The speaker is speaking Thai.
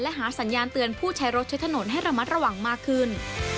และหาสัญญาณเตือนผู้ใช้รถใช้ถนนให้ระมัดระวังมากขึ้น